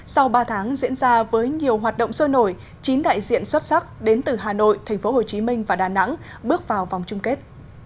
sau ba tháng diễn ra với nhiều hoạt động sơ nổi chín đại diện xuất sắc đến từ hà nội tp hcm và đà nẵng bước vào vòng chung kết